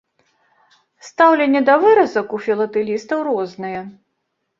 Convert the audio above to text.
Стаўленне да выразак у філатэлістаў рознае.